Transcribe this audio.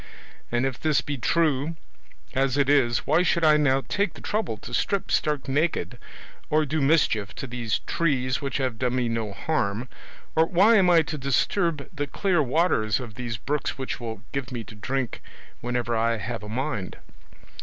And if this be true, as it is, why should I now take the trouble to strip stark naked, or do mischief to these trees which have done me no harm, or why am I to disturb the clear waters of these brooks which will give me to drink whenever I have a mind?